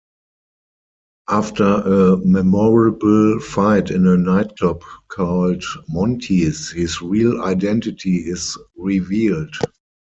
After a memorable fight in a nightclub called 'Monty's', his real identity is revealed.